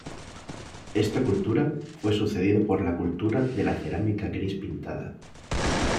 Esta cultura fue sucedida por la cultura de la cerámica gris pintada.